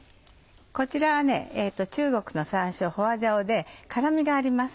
こちらは中国の山椒花椒で辛みがあります。